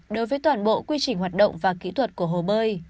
đối với toàn bộ quy trình hoạt động và kỹ thuật của hồ bơi